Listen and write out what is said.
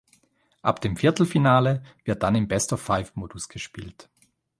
Ab dem Viertelfinale wird dann im "Best-of-Five"-Modus gespielt.